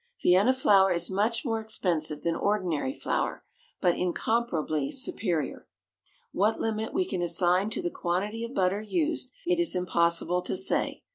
Vienna flour is much more expensive than ordinary flour, but incomparably superior. What limit we can assign to the quantity of butter used it is impossible to say.